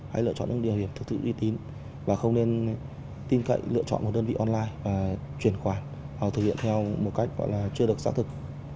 hãy lựa chọn những điều hiểm thực sự y tín và không nên tin cậy lựa chọn một đơn vị online và truyền khoản hoặc thực hiện theo một cách gọi là chưa được xác thực